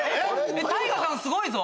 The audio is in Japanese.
ＴＡＩＧＡさんすごいぞ！